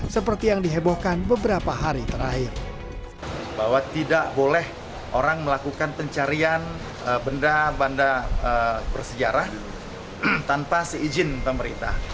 seperti yang dihebohkan beberapa hari terakhir